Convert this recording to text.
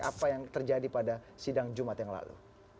apa yang terjadi pada sidang jumat yang lalu